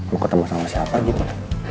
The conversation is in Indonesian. mau ketemu sama siapa gimana